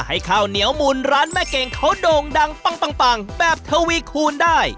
ข้าวเหนียวมูลร้านแม่เก่งเขาโด่งดังปังแบบทวีคูณได้